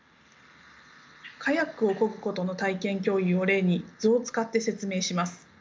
カヤックをこぐことの体験共有を例に図を使って説明します。